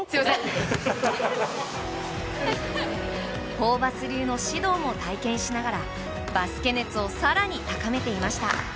ホーバス流の指導も体験しながらバスケ熱を更に高めていました。